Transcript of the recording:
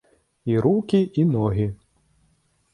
І рукі і ногі.